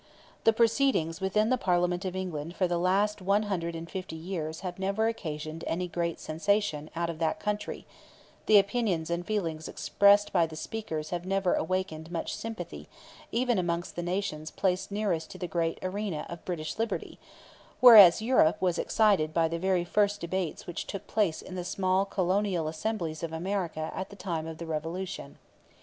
The proceedings within the Parliament of England for the last one hundred and fifty years have never occasioned any great sensation out of that country; the opinions and feelings expressed by the speakers have never awakened much sympathy, even amongst the nations placed nearest to the great arena of British liberty; whereas Europe was excited by the very first debates which took place in the small colonial assemblies of America at the time of the Revolution.